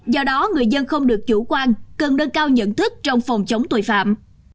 do đó người dân không được chủ quan cần đơn cao nhận thức trong phòng chống tội phạm